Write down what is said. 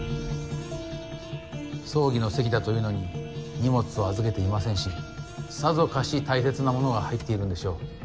葬儀の席だというのに荷物を預けていませんしさぞかし大切なものが入っているんでしょう。